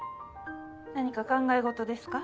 何か考え事ですか？